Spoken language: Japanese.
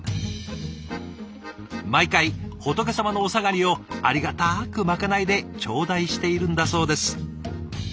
毎回仏様のお下がりをありがたくまかないで頂戴しているんだそうです。